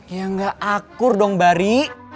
ya nggak akur dong bari